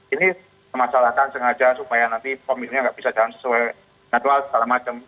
ini masalahkan sengaja supaya nanti pemilunya nggak bisa jalan sesuai jadwal segala macam